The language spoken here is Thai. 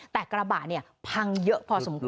แต่กระบะเนี่ยพังเยอะพอสมควร